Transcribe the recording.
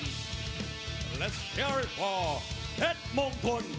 สวัสดีครับทุกคน